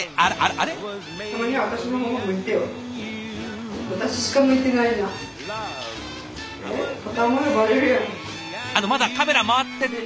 あのまだカメラ回って。